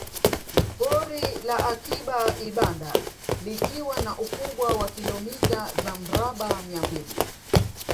Pori la Akiba Ibanda likiwa na ukubwa wa kilomita za mraba mia mbili